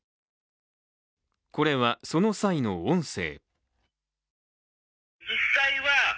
これは、その際の音声。